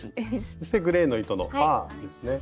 そしてグレーの糸のファーですね。